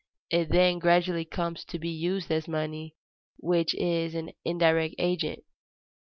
It then gradually comes to be used as money, which is an indirect agent.